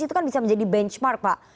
itu kan bisa menjadi benchmark pak